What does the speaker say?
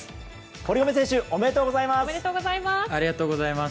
堀米選手おめでとうございます。